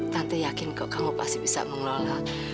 tante yakin kok kamu pasti bisa mengelola